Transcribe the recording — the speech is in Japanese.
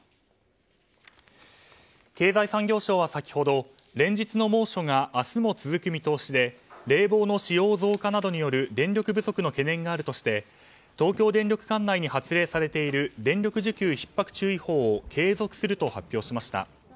経済産業省は先ほど連日の猛暑が明日も続く見通しで冷房の使用増加などによる電力不足の懸念があるとして東京電力管内に発令されている電力需給ひっ迫注意報を継続すると発表しました。